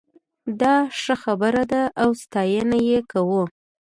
دا ښه خبره ده او ستاينه یې کوو